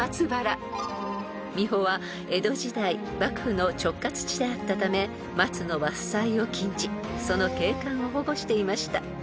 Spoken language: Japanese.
［三保は江戸時代幕府の直轄地であったため松の伐採を禁じその景観を保護していました］